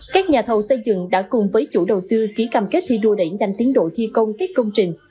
các nhà thầu xây dựng đã cùng với chủ đầu tư ký cam kết thi đua đẩy nhanh tiến độ thi công các công trình